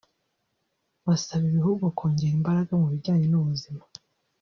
basaba ibihugu kongera imbaraga mu bijyanye n’ubuzima